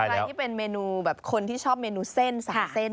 อะไรที่เป็นเมนูแบบคนที่ชอบเมนูเส้น๓เส้น